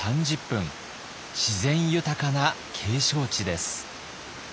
自然豊かな景勝地です。